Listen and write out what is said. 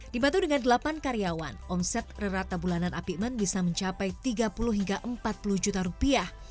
dibantu dengan delapan karyawan omset rata bulanan apikmen bisa mencapai tiga puluh hingga empat puluh juta rupiah